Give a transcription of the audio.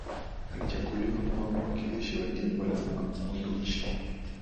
Alichaguliwa kuwa mwakilishi wa jimbo la Makunduchi